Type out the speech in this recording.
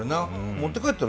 持って帰ったら？